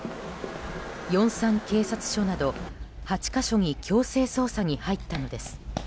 ヨンサン警察署など８か所に強制捜査に入ったのです。